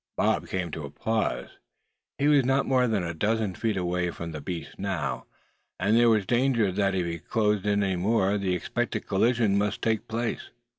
Bob came to a pause. He was not more than a dozen feet away from the beast now, and there was danger that if he closed in any more the expected collision must take place.